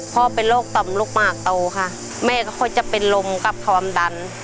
พ่อเป็นโรคต่อมลูกหมากโตค่ะแม่ก็ค่อยจะเป็นลมกับความดัน